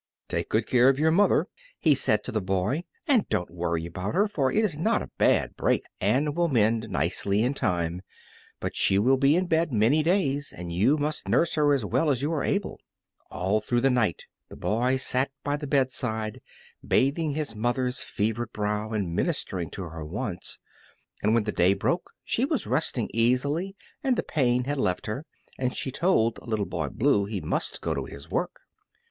"Take good care of your mother," he said to the boy, "and don't worry about her, for it is not a bad break and the leg will mend nicely in time; but she will be in bed many days, and you must nurse her as well as you are able." All through the night the boy sat by the bedside, bathing his mother's fevered brow and ministering to her wants. And when the day broke she was resting easily and the pain had left her, and she told Little Boy Blue he must go to his work.